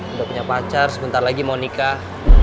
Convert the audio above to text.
udah punya pacar sebentar lagi mau nikah